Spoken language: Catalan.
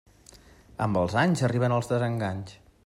Amb els anys arriben els desenganys.